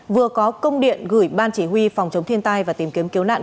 vừa có công điện gửi ban chỉ huy phòng chống thiên tai và tìm kiếm cứu nạn